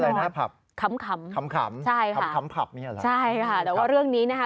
ชื่ออะไรนะผับขำใช่ค่ะใช่ค่ะแต่ว่าเรื่องนี้นะฮะ